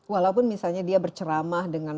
walaupun misalnya dia berceramah dengan